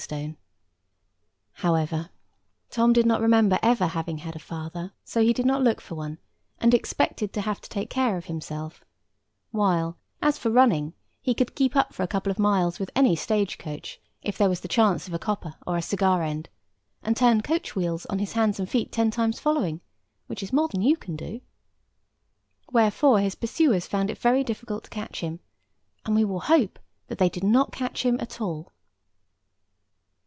[Picture: Man on horse] However, Tom did not remember ever having had a father; so he did not look for one, and expected to have to take care of himself; while as for running, he could keep up for a couple of miles with any stage coach, if there was the chance of a copper or a cigar end, and turn coach wheels on his hands and feet ten times following, which is more than you can do. Wherefore his pursuers found it very difficult to catch him; and we will hope that they did not catch him at all.